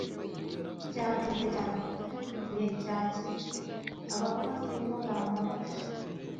byatinze cyane; ariko igihe cyakize. Abakozi ni bo bambabaje.